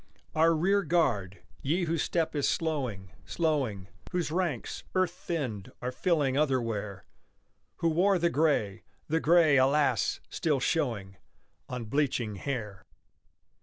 Our rear guard, ye whose step is slowing, slowing, Whose ranks, earth thinned, are filling otherwhere, Who wore the gray the gray, alas! still showing On bleaching hair.